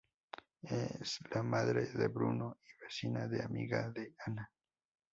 Es la madre de Bruno y vecina y amiga de Ana.